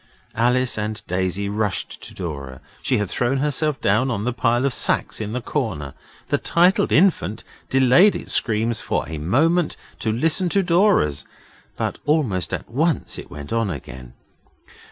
Alice and Daisy rushed to Dora. She had thrown herself down on the pile of sacks in the corner. The titled infant delayed its screams for a moment to listen to Dora's, but almost at once it went on again.